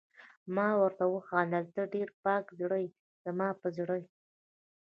ما ورته وخندل: ته ډېره پاک زړه يې، زما په زړه یې.